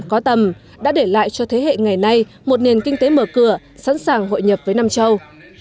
có tầm đã để lại cho thế hệ ngày nay một nền kinh tế mở cửa sẵn sàng hội nhập với nam châu